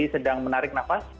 sedang menarik nafas